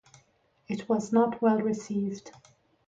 It was not well received.